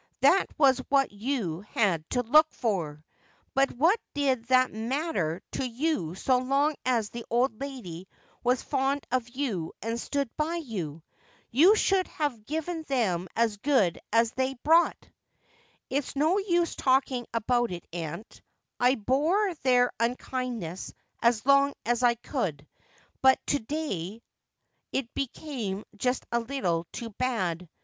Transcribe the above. That was what you had to look for. But what did that matter to you so long as the old lady was fond of you and stood by you ? You should have given them as good as they brought.' ' It's no use talking about it, aunt. I bore their unkindness as long as I could, but to day it became just a little too bad.'